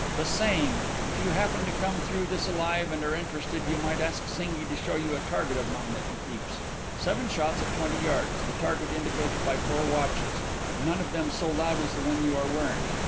"The same. If you happen to come through this alive and are interested you might ask Zinghi to show you a target of mine that he keeps. Seven shots at twenty yards, the target indicated by four watches, none of them so loud as the one you are wearing.